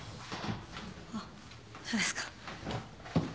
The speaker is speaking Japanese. あっそうですか。